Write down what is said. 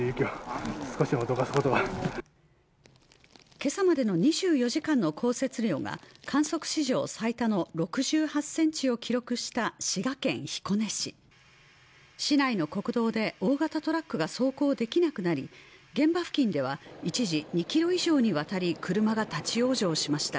今朝までの２４時間の降雪量が観測史上最多の６８センチを記録した滋賀県彦根市市内の国道で大型トラックが走行できなくなり現場付近では一時２キロ以上にわたり車が立往生しました